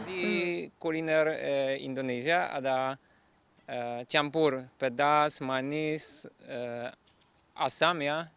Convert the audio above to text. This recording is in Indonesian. di kuliner indonesia ada campur pedas manis asam ya